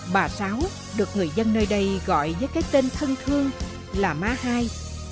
bà sáu được người dân nơi đây gọi với cái tên thân thương là má hai